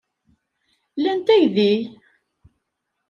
Lant aydi?